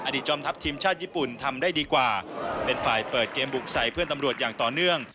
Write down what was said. จอมทัพทีมชาติญี่ปุ่นทำได้ดีกว่าเป็นฝ่ายเปิดเกมบุกใส่เพื่อนตำรวจอย่างต่อเนื่อง